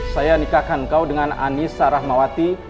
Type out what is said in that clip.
saya nikahkan kau dengan anissa rahmawati